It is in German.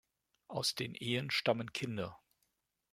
Aus den Ehen stammen Kinder.